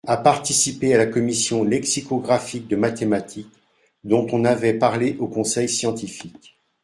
À participer à la commission lexicographique de mathématique dont on avait parlé au conseil scientifique.